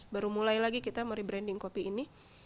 baru mulai lagi kita merebranding kopi ini